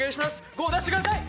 ５を出してください！